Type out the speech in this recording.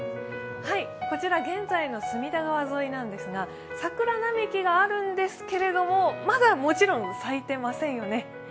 こちら現在の隅田川沿いなんですが、桜並木があるんですけれどもまだもちろん咲いていませんよね。